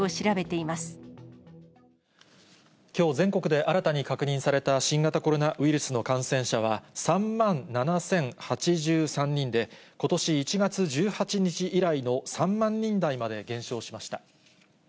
きょう、全国で新たに確認された新型コロナウイルスの感染者は、３万７０８３人で、ことし１月１８日以来の３万人台まで減少しました。